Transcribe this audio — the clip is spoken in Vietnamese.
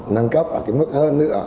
nâng cấp ở cái mức hơn nữa